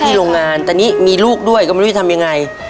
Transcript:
โรงงานตอนนี้มีลูกด้วยก็ไม่รู้จะทำยังไง